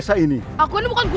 hai kawan temanmu